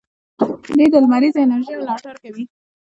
دوی د لمریزې انرژۍ ملاتړ کوي.